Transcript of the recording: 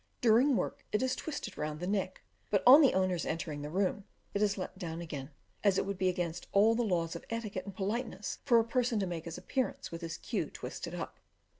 During work, it is twisted round the neck, but, on the owner's entering a room, it is let down again, as it would be against all the laws of etiquette and politeness for a person to make his appearance with his cue twisted up.